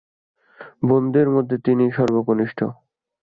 বোনদের মধ্যে তিনি সবার কনিষ্ঠ।